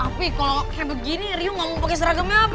tapi kalo kayak begini riu gak mau pake seragamnya apa